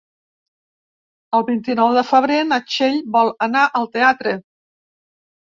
El vint-i-nou de febrer na Txell vol anar al teatre.